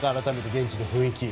現地の雰囲気。